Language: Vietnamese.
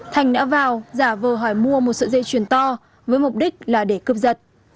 thành đã vào giả vờ hỏi mua một sợi dây chuyền to với mục đích là để cướp giật